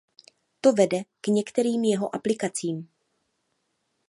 To vede k některým jeho aplikacím.